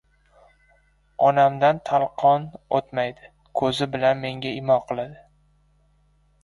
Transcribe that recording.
Onamdan talqon o‘tmaydi. Ko‘zi bilan menga imo qiladi.